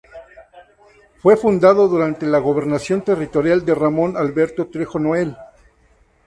Fue fundado durante la gobernación territorial de Ramón Alberto Trejo Noel.